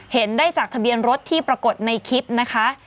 เห็นได้จากทะเบียนรถที่ปรากฏในคลิปนะคะ